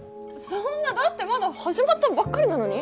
そんなだってまだ始まったばっかりなのに？